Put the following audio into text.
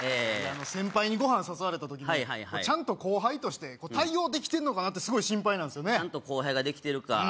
先輩にご飯誘われた時にはいはいはいちゃんと後輩として対応できてんのかなって心配なんですよねちゃんと後輩ができてるか？